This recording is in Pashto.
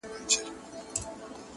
د غزل عنوان مي ورکي و ښکلا ته,